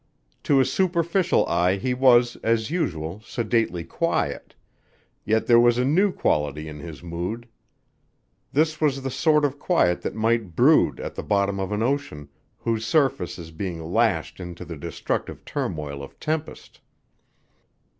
To a superficial eye he was, as usual, sedately quiet, yet there was a new quality in his mood. This was the sort of quiet that might brood at the bottom of an ocean whose surface is being lashed into the destructive turmoil of tempest.